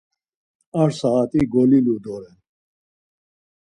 Ar saat̆i golilu doren.